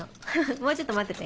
もうちょっと待ってて。